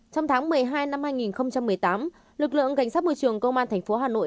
trong tháng một mươi hai năm hai nghìn một mươi tám lực lượng cảnh sát môi trường công an tp hà nội